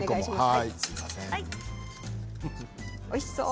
おいしそう。